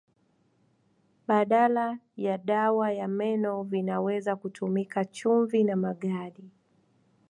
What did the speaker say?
Badala ya dawa ya meno vinaweza kutumika chumvi na magadi.